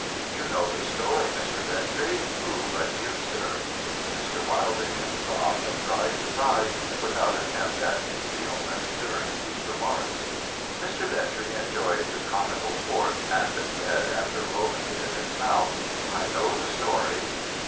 You know the story, Mr. Bintrey, who but you, sir !' Mr. Wilding sobbed and dried his eyes, without attempt at concealment, during these remarks. Mr. Bintrey enjoyed his comical port, and said, after rolling it in his mouth :' I know the story.'